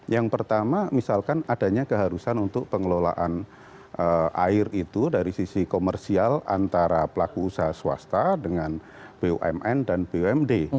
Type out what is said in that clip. yang pertama misalkan adanya keharusan untuk pengelolaan air itu dari sisi komersial antara pelaku usaha swasta dengan bumn dan bumd